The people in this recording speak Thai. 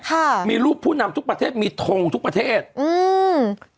ค่ะมีรูปผู้นำทุกประเทศมีทงทุกประเทศอืม